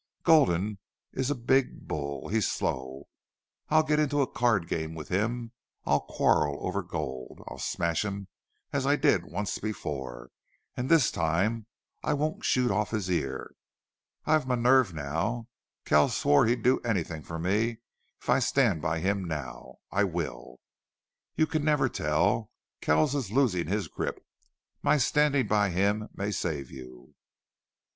Gulden is a big bull. He's slow. I'll get into a card game with him I'll quarrel over gold I'll smash him as I did once before and this time I won't shoot off his ear. I've my nerve now. Kells swore he'd do anything for me if I stand by him now. I will. You never can tell. Kells is losing his grip. And my standing by him may save you."